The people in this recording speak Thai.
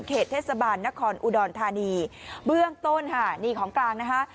เขตเทศบาลนครอุดรธานีเบื้องต้นค่ะนี่ของกลางนะคะ